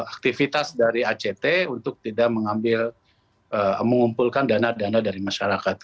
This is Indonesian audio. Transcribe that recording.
aktivitas dari act untuk tidak mengambil mengumpulkan dana dana dari masyarakat